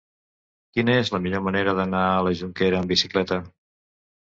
Quina és la millor manera d'anar a la Jonquera amb bicicleta?